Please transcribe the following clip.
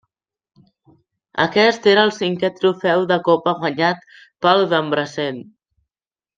Aquest era el cinquè trofeu de Copa guanyat pel Debrecen.